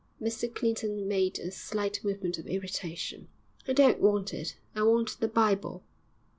Mr Clinton made a slight movement of irritation. 'I don't want it; I want the Bible.'